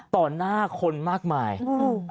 ต่อหน้าคนมากมายอื้อ